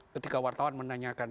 ketika wartawan menanyakan